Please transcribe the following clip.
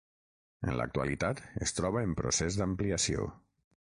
En l'actualitat es troba en procés d'ampliació.